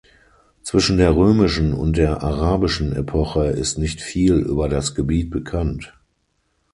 Zwischen der römischen und der arabischen Epoche ist nicht viel über das Gebiet bekannt.